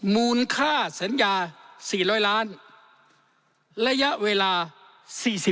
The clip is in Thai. มูลค่าสัญญา๔๐๐อยู่ร้านไลยะเวลา๔๐ปี